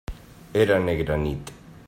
Era negra nit.